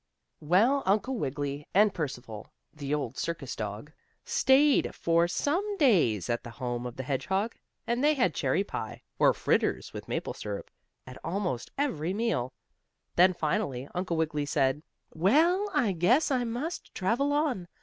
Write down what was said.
Well, Uncle Wiggily and Percival, the old circus dog, stayed for some days at the home of the hedgehog, and they had cherry pie, or fritters with maple syrup, at almost every meal. Then, finally, Uncle Wiggily said: "Well, I guess I must travel on.